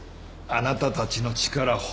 あなたたちの力